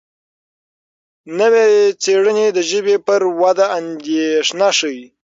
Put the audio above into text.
نوې څېړنې د ژبې پر وده اندېښنه ښيي.